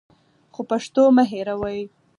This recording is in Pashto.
خو پښتو مه هېروئ.